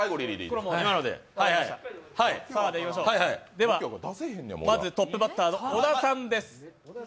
ではまずトップバッターの小田さんです。